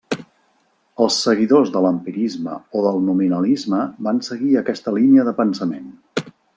Els seguidors de l'empirisme o del nominalisme van seguir aquesta línia de pensament.